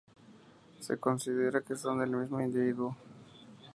Se considera que son del mismo individuo...